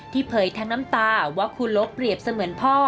เผยทั้งน้ำตาว่าครูลบเปรียบเสมือนพ่อ